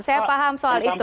saya paham soal itu